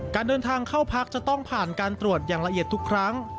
การเดินทางเข้าพักจะต้องผ่านการตรวจอย่างละเอียดทุกครั้ง